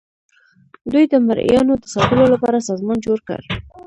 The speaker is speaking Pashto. دوی د مرئیانو د ساتلو لپاره سازمان جوړ کړ.